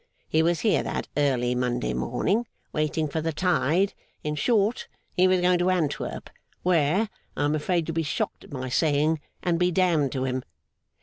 He was here that early Monday morning, waiting for the tide; in short, he was going to Antwerp, where (I am afraid you'll be shocked at my saying, And be damned to him!)